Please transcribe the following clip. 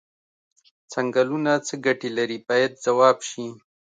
څنګلونه څه ګټې لري باید ځواب شي.